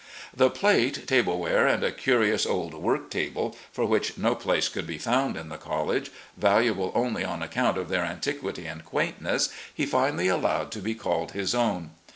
The plate, tableware, and a curious old work table, for which no place could be fotmd in the college, valuable only on account of their antiquity and quaintness, he finally allowed to be called his own.